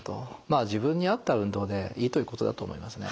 自分に合った運動でいいということだと思いますね。